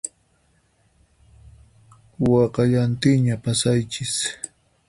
Wakallantinña pasaychis